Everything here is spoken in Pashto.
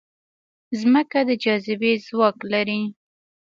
مځکه د جاذبې ځواک لري.